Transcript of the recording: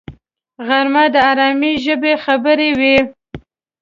غرمه د آرامي ژبې خبرې وي